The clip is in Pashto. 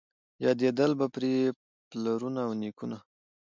یادېدل به پرې پلرونه او نیکونه